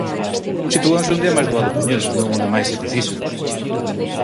Sitúanse onde é máis doado poñelos, non onde máis se precisan.